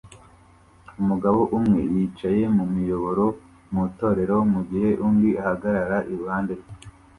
Umugabo umwe yicaye mu miyoboro mu itorero mu gihe undi ahagarara iruhande rwe